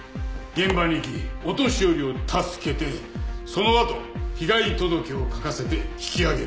現場に行きお年寄りを助けてそのあと被害届を書かせて引き揚げる。